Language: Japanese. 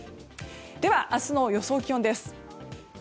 では、明日の予想気温です。